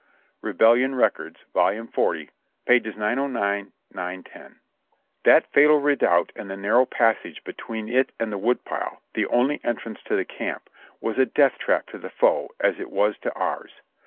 (Rebellion Records, Vol. 40, p. 909 910.) That fatal redoubt and the narrow passage between it and the wood pile, the only entrance to the camp, was a death trap to the foe, as it was to ours.